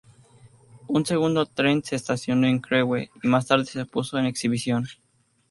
Un segundo tren se estacionó en Crewe, y más tarde se puso en exhibición.